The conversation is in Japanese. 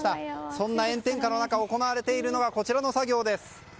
そんな炎天下の中行われているのがこちらの作業です。